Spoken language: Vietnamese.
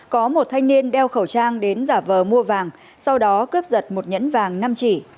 có một thanh niên đeo khẩu trang đến giả vờ mua vàng sau đó cướp giật một nhẫn vàng năm chỉ